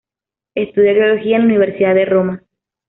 Estudia Biología en la Universidad de Roma.